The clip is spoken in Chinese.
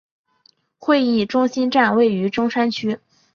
会议中心站位于中山区。